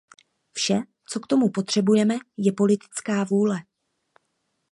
Vše, co k tomu potřebujeme, je politická vůle.